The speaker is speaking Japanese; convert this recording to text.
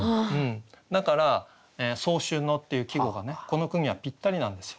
だから「早春の」っていう季語がねこの句にはぴったりなんですよ。